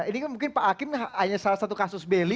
ini kan mungkin pak hakim hanya salah satu kasus beli